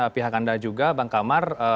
pihak anda juga bang kamar